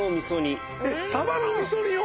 さばの味噌煮を？